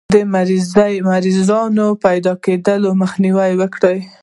د مرضونو د پیداکیدو مخنیوی کوي.